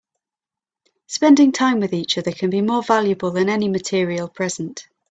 Spending time with each other can be more valuable than any material present.